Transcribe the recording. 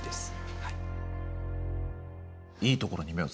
はい。